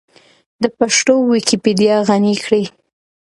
د پښتو ويکيپېډيا غني کړئ.